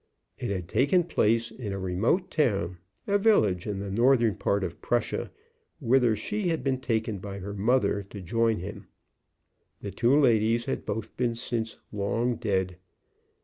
It had taken place in a remote town, a village in the northern part of Prussia, whither she had been taken by her mother to join him. The two ladies had both been since long dead.